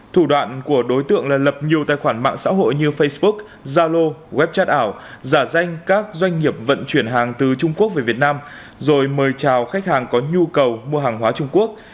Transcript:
thủ đoạn của đối tượng là lập nhiều tài khoản mạng xã hội như facebook zalo web chat ảo giả danh các doanh nghiệp vận chuyển hàng từ trung quốc về việt nam rồi mời chào khách hàng có nhu cầu mua hàng hóa trung quốc